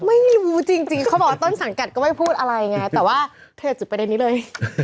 ไม่รู้จริงเขาบอกว่าต้นสังกัดก็ไม่พูดอะไรไงแต่ว่าเธออย่าจุดประเด็นนี้เลย